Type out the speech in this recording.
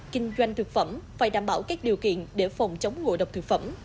kinh doanh thực phẩm phải đảm bảo các điều kiện để phòng chống ngộ độc thực phẩm